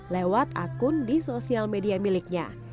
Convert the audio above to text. lewat akun di sosial media miliknya